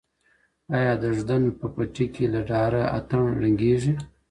ایا د ږدن په پټي کي له ډاره اتڼ ړنګیږي؟